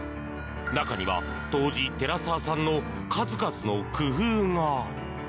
中には杜氏、寺澤さんの数々の工夫が。